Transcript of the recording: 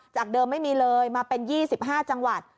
จากเดิมไม่มีเลยมาเป็น๒๕จังหวัด